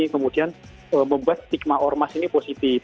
kemudian membuat stigma ormas ini positif